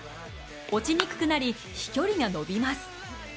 落ちにくくなり飛距離が延びます。